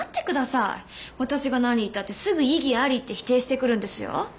私が何言ったってすぐ「異議あり」って否定してくるんですよ。